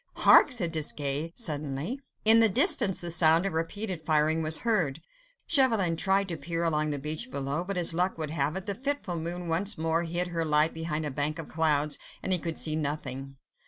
"Hark!" said Desgas suddenly. In the distance the sound of repeated firing was heard. Chauvelin tried to peer along the beach below, but as luck would have it, the fitful moon once more hid her light behind a bank of clouds, and he could see nothing.